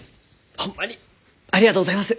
ホンマにありがとうございます。